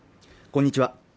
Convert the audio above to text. こんにちは